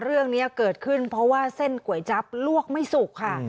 เรื่องนี้เกิดขึ้นเพราะว่าเส้นก๋วยจั๊บลวกไม่สุกค่ะ